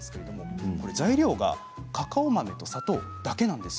材料がカカオ豆と砂糖だけなんです。